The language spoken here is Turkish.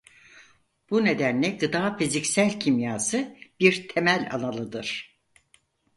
Bu nedenle "Gıda Fiziksel Kimyası" bir temel alanıdır.